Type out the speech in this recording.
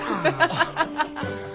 ハハハハハ。